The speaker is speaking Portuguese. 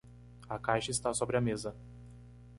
A caixa está sobre a mesa.